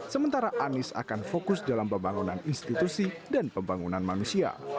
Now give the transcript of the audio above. sementara anies akan fokus dalam pembangunan institusi dan pembangunan manusia